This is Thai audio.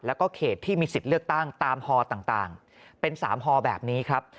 แล้วก็เขตที่มีสิทธิ์เลือกตั้งตามฮอต่างเป็น๓ฮอแบบนี้ครับ